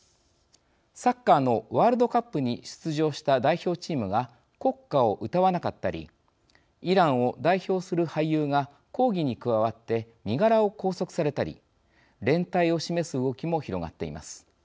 サッカーのワールドカップに出場した代表チームが国歌を歌わなかったりイランを代表する俳優が抗議に加わって身柄を拘束されたり連帯を示す動きも広がっています。